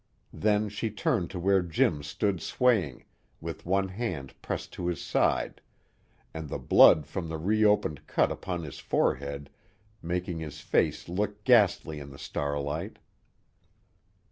Then she turned to where Jim stood swaying, with one hand pressed to his side, and the blood from the reopened cut upon his forehead making his face look ghastly in the starlight.